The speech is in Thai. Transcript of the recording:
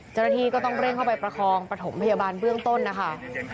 เจ้าหน้าที่ก็ต้องเร่งเข้าไปประคองประถมพยาบาลเบื้องต้นนะคะ